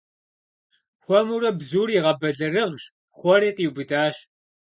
Хуэмурэ бзур игъэбэлэрыгъщ, пхъуэри, къиубыдащ.